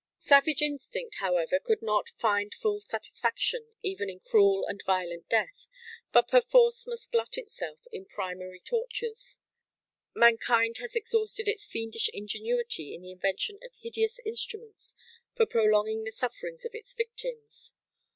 Savage instinct, however, could not find full satisfaction even in cruel and violent death, but perforce must glut itself in preliminary tortures. Mankind has exhausted its fiendish ingenuity in the invention of hideous instruments for prolonging the sufferings of its victims.